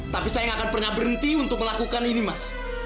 tapi saya nggak akan pernah berhenti untuk melakukan ini mas